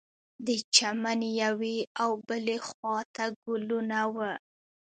د چمن یوې او بلې خوا ته ګلونه وه.